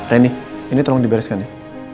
reni ini tolong dibereskan ya